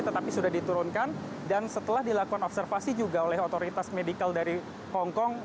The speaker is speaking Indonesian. tetapi sudah diturunkan dan setelah dilakukan observasi juga oleh otoritas medikal dari hongkong